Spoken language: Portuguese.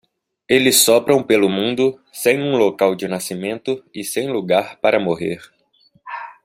Eles sopram pelo mundo sem um local de nascimento e sem lugar para morrer.